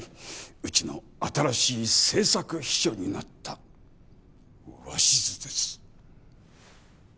うちの新しい政策秘書になった鷲津です。